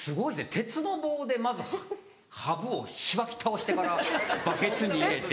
鉄の棒でまずハブをしばき倒してからバケツに入れて。